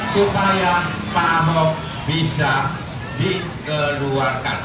supaya pak ahok bisa dikeluarkan